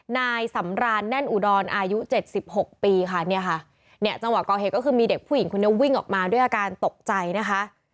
นายสำรานแน่นอุดรอายุเจ็ดสิบหกปีค่ะเนี่ยค่ะเนี่ยจังหวะก่อเหตุก็คือมีเด็กผู้หญิงคนนี้วิ่งออกมาด้วยอาการตกใจนะคะ